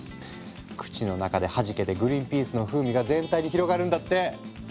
口の中ではじけてグリンピースの風味が全体に広がるんだって。